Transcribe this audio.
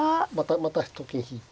またと金引いて。